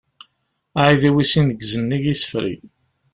Aεidiw-is ineggez nnig isefreg.